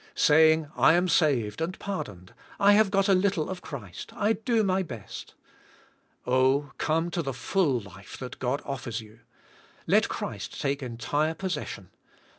Sa34ng, "I am saved, and pardoned. I have got a little of Christ, I do my best. " Oh ! come to the full life that God offers you. Let Christ take entire possession.